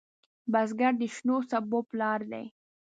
بزګر د شنو سبو پلار دی